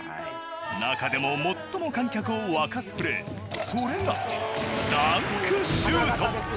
中でも最も観客を沸かすプレー、それが、ダンクシュート。